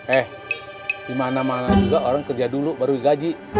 eh dimana mana juga orang kerja dulu baru digaji